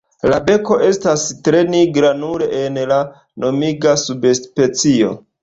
La beko estas tre nigra nur en la nomiga subspecio.